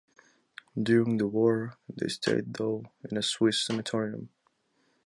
During the war they stayed though in a Swiss sanatorium.